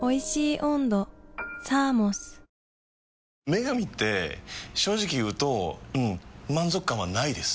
「麺神」って正直言うとうん満足感はないです。